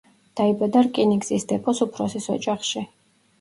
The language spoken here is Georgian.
დაიბადა რკინიგზის დეპოს უფროსის ოჯახში.